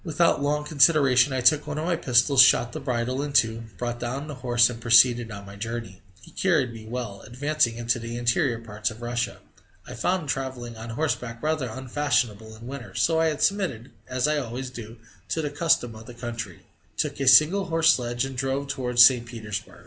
Without long consideration I took one of my pistols, shot the bridle in two, brought down the horse, and proceeded on my journey. He carried me well. Advancing into the interior parts of Russia, I found travelling on horseback rather unfashionable in winter, so I submitted, as I always do, to the custom of the country, took a single horse sledge, and drove towards St. Petersburg.